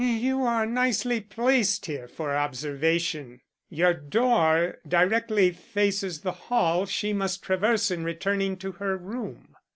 "You are nicely placed here for observation. Your door directly faces the hall she must traverse in returning to her room."